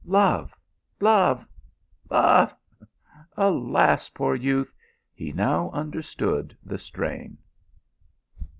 Love ! love ! love ! Alas, poor youth, he now understood the strain.